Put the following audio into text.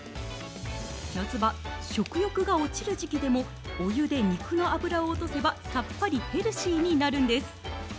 夏場、食欲が落ちる時期でも、お湯で肉の脂を落とせば、さっぱりヘルシーになるんです。